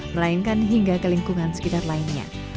melainkan hingga ke lingkungan sekitar lainnya